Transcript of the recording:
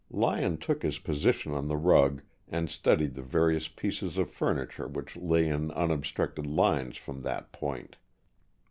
Lyon took his position on the rug and studied the various pieces of furniture which lay in unobstructed lines from that point.